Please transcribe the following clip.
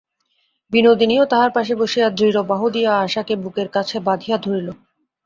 বিনোদিনীও তাহার পাশে বসিয়া দৃঢ় বাহু দিয়া আশাকে বুকের কাছে বাঁধিয়া ধরিল।